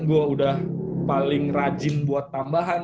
gue udah paling rajin buat tambahan